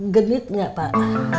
genit gak pak